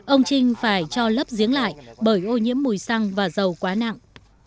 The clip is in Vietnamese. ông trình phải cho lấp diếng lại bởi ô nhiễm mùi xăng và dầu quá nặng